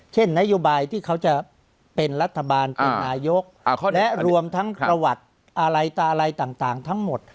เช่นนโยบายที่เขาจะเป็นรัฐบาลเป็นนายกและรวมทั้งประวัติอะไรตาอะไรต่างทั้งหมด